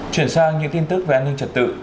chuyển sang những tin tức về an ninh trật tự